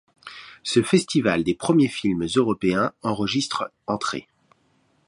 Ce festival des premiers films européens enregistre entrées.